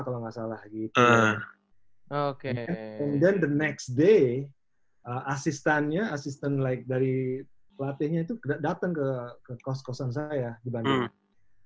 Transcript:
kemudian hari berikutnya asisten dari pelatih datang ke kos kosan saya di bandung